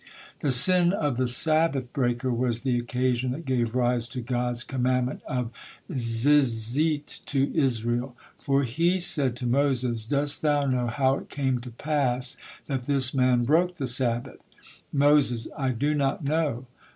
The sin of the Sabbath breaker was the occasion that gave rise to God's commandment of Zizit to Israel. For He said to Moses, "dost thou know how it came to pass that this man broke the Sabbath?" Moses: "I do not know."